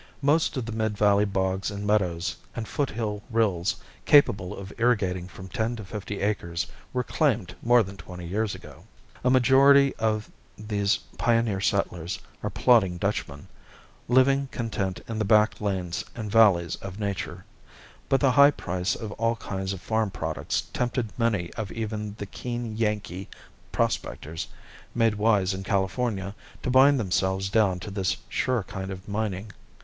Most of the mid valley bogs and meadows, and foothill rills capable of irrigating from ten to fifty acres, were claimed more than twenty years ago. A majority of these pioneer settlers are plodding Dutchmen, living content in the back lanes and valleys of Nature; but the high price of all kinds of farm products tempted many of even the keen Yankee prospectors, made wise in California, to bind themselves down to this sure kind of mining.